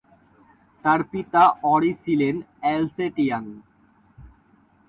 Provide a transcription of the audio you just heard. তার পিতা অঁরি ছিলেন অ্যালসেটিয়ান।